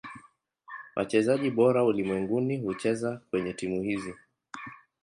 Wachezaji bora ulimwenguni hucheza kwenye timu hizi.